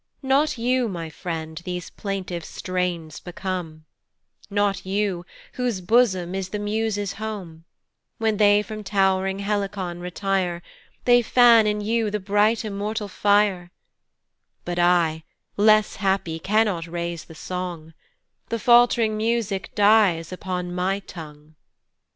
Not you, my friend, these plaintive strains become, Not you, whose bosom is the Muses home; When they from tow'ring Helicon retire, They fan in you the bright immortal fire, But I less happy, cannot raise the song, The fault'ring music dies upon my tongue.